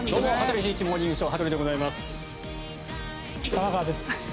玉川です。